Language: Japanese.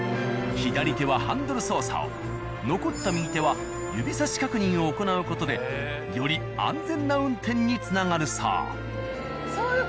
左手はハンドル操作を残った右手は指差し確認を行う事でより安全な運転につながるそう。